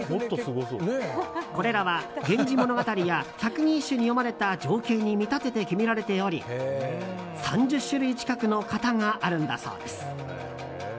これらは「源氏物語」や「百人一首」に詠まれた情景に見立てて決められており３０種類近くの形があるんだそうです。